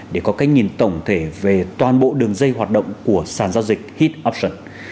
để có cách nhìn tổng thể về toàn bộ đường dây hoạt động của sản giao dịch hitoption